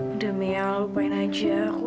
udah mia lupain aja